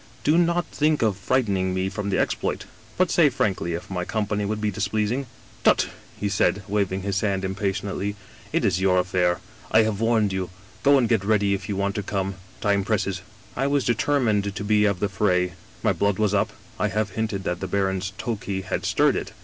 Do not think of frightening me from the exploit, but say frankly if my com pany would be displeasing.' "* Tut I ' he said, waving his hand impatiently, * it is your 128 Egerton Castle affair. I have warned you. Go and get ready if you want to come. Time presses.' " I was determined to be of the fray; my blood was up I have hinted that the baron's Tokay had stirred it.